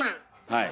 はい。